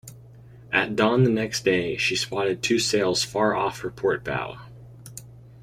At dawn the next day, she spotted two sails far off her port bow.